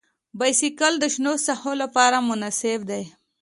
بایسکل د شنو ساحو لپاره مناسب دی.